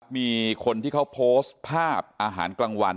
มีคนที่เขาโพสต์ภาพอาหารกลางวัน